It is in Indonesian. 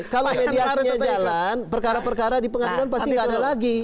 kalau mediasinya jalan perkara perkara di pengadilan pasti nggak ada lagi